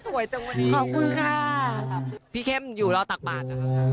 แม่สวยจังหวัดดีเลยค่ะค่ะพี่เข้มอยู่รอตากบาทค่ะ